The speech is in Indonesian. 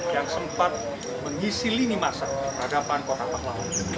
yang sempat mengisi lini masa peradaban kota pahlawan